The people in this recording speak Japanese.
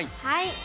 はい。